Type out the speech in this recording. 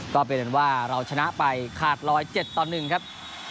ก็เป็นว่าเราชนะไปขาด๑๐๗ต่อ๑ครับ